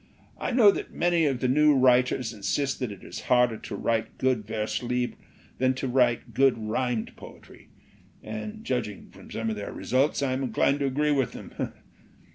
I know that many of the new writers insist that it is harder to write good vers libre than to write good rhymed poetry. And judging from some of their results, I am inclined to agree with them."